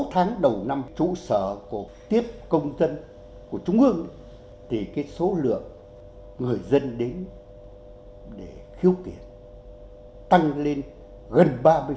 sáu tháng đầu năm trụ sở của tiếp công dân của trung ương thì cái số lượng người dân đến để khiếu kiện tăng lên gần ba mươi